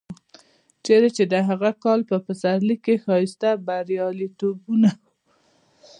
چېرې چې د هغه کال په پسرلي کې ښایسته بریالیتوبونه و.